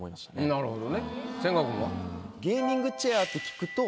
なるほど。